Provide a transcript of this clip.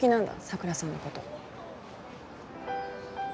桜さんのこと。